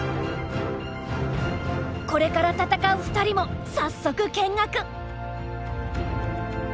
これから戦う２人も早速見学。